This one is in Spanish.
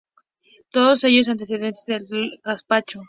Todos ellos antecedentes del actual gazpacho.